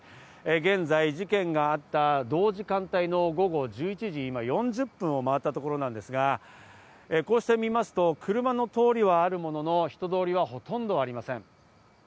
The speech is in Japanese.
現在事件があった同時間帯の午後１１時４０分を回ったところなんですが、こうして見ますと、車の通りはあるものの、人通りはほとんどありません。